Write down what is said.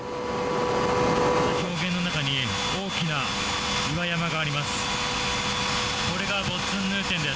氷原の中に大きな岩山があります。